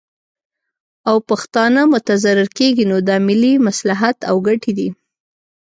او پښتانه متضرر کیږي، نو دا ملي مصلحت او ګټې دي